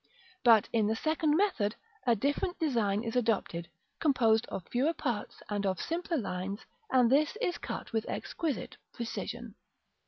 But, in the second method, a different design is adopted, composed of fewer parts and of simpler lines, and this is cut with exquisite precision.